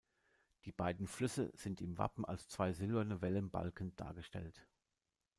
Die beiden Flüsse sind im Wappen als zwei silberne Wellenbalken dargestellt.